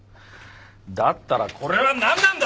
だったらこれは何なんだ！？